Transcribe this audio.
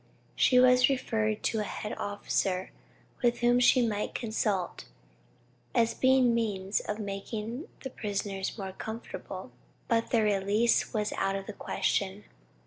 She was referred to a head officer with whom she might consult as to the means of making the prisoners more comfortable; but their release was out of the question.